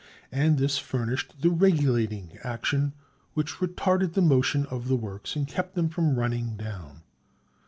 And this furnished the regulating action which retarded the motion of the works and kept them from running down.